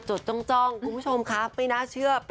มวดดี๒๒ก็มานะคะ